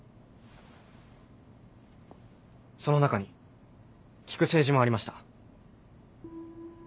その中に聞く政治もありました。